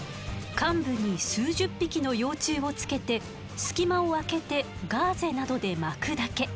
患部に数十匹の幼虫をつけて隙間をあけてガーゼなどで巻くだけ。